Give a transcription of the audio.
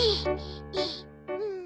うん！